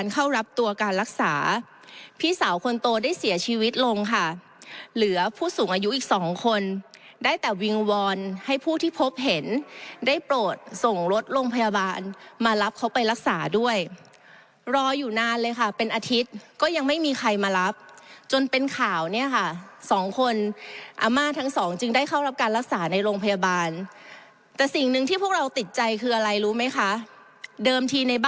เข้ารับตัวการรักษาพี่สาวคนโตได้เสียชีวิตลงค่ะเหลือผู้สูงอายุอีกสองคนได้แต่วิงวอนให้ผู้ที่พบเห็นได้โปรดส่งรถโรงพยาบาลมารับเขาไปรักษาด้วยรออยู่นานเลยค่ะเป็นอาทิตย์ก็ยังไม่มีใครมารับจนเป็นข่าวเนี่ยค่ะสองคนอาม่าทั้งสองจึงได้เข้ารับการรักษาในโรงพยาบาลแต่สิ่งหนึ่งที่พวกเราติดใจคืออะไรรู้ไหมคะเดิมทีในบ